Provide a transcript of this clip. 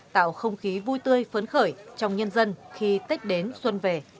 tạo không khí vui tươi phấn khởi trong nhân dân khi tết đến xuân về